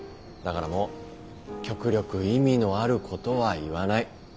だからもう極力意味のあることは言わない。